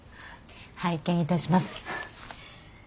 拝見いたします。